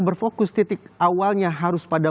berfokus titik awalnya harus pada